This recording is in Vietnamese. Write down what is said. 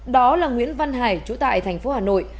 đó là nguyễn văn hải chủ tại tp hà nội